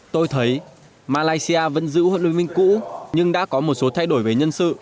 tôi thấy malaysia vẫn giữ huấn luyện viên cũ nhưng đã có một số thay đổi về nhân sự